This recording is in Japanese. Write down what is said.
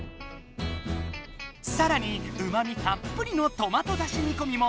さらにうまみたっぷりのトマトだしにこみも。